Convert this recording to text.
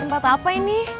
tempat apa ini